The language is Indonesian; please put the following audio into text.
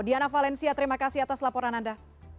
diana valencia terima kasih atas laporan anda